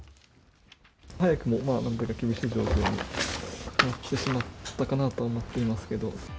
早くもなんだか、厳しい状況になってしまったかなとは思っていますけど。